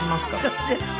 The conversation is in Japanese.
そうですか？